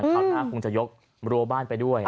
หน้าคงจะยกรัวบ้านไปด้วย